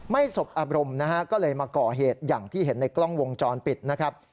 สบอารมณ์นะฮะก็เลยมาก่อเหตุอย่างที่เห็นในกล้องวงจรปิดนะครับ